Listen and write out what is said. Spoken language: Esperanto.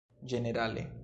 ĝenerale